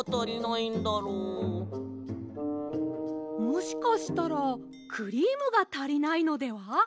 もしかしたらクリームがたりないのでは？